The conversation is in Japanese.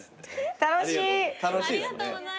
楽しい！